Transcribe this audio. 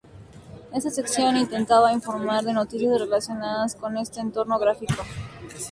Esa sección intentaba informar de noticias relacionadas con este entorno gráfico.